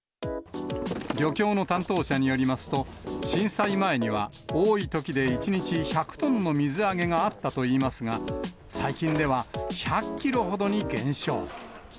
漁協の担当者によりますと、震災前には、多いときで１日１００トンの水揚げがあったといいますが、最近では１００キロほどに減少。